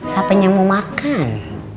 siapanya mau makan